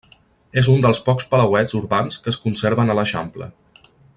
És un dels pocs palauets urbans que es conserven a l'Eixample.